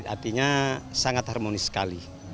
artinya sangat harmonis sekali